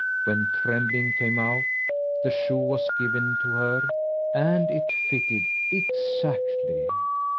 When Trembling came out, the shoe was given to her, and it fitted exactly.